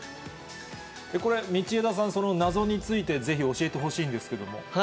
これ、道枝さん、その謎についてぜひ教えてほしいんですけども。